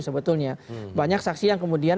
sebetulnya banyak saksi yang kemudian